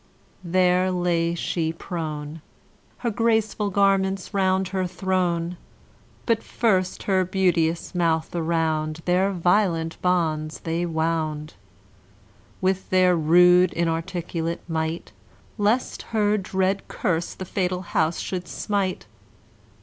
There lay she prone, Her graceful garments round her thrown; But first her beauteous mouth around Their violent bonds they wound, With their rude inarticulate might, Lest her dread curse the fatal house should smite.